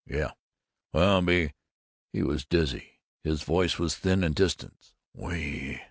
"Yeh." "Well, be " He was dizzy. His voice was thin and distant. "Whee!"